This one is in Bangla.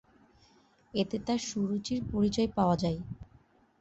এতে তাঁর সুরুচির পরিচয় পাওয়া যায়।